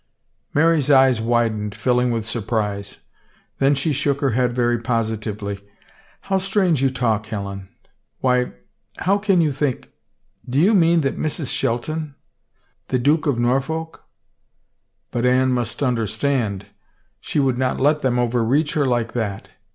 Mary's eyes widened, filUng with surprise. Then she shook her head very positively. " How strange you talk, Helen. Why, how can you think — do you mean that Mrs. Shelton — the Duke of Norfolk — but Anne must understand. She would not let them overreach her like that.